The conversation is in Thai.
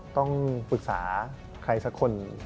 ต้องปรึกษาใครสักคน